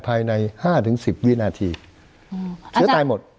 ภายใน๕๑๐วินาทีเชื้อตายหมด